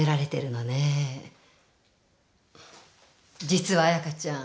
実は彩香ちゃん。